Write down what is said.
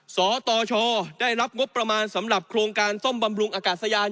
สตชได้รับงบประมาณสำหรับโครงการซ่อมบำรุงอากาศยาน